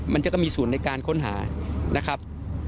มันจะมีส่วนในการค้นหานะครับ